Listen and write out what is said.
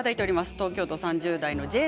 東京都３０代の方。